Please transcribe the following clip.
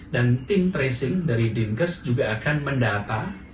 dan tim tracing dari dimkes juga akan mendata